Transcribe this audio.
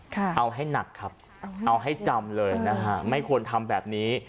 เอาให้หนักครับเอาให้จำเลยนะฮะไม่ควรทำแบบนี้